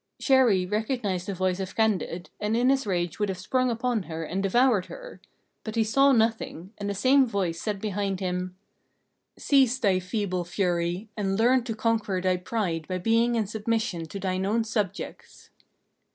Chéri recognized the voice of Candide, and in his rage would have sprung upon her and devoured her; but he saw nothing, and the same voice said behind him: "Cease thy feeble fury, and learn to conquer thy pride by being in submission to thine own subjects."